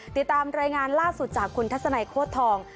ติดตามรายงานล่าสุดจากคุณทัศนัยโค้ดทอง